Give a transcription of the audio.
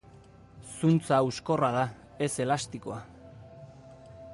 Zuntza hauskorra da, ez elastikoa.